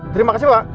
terima kasih pak